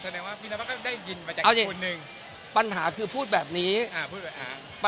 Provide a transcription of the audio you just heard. แสดงว่าพี่เนวัตก็ได้ยินมาจากคนหนึ่ง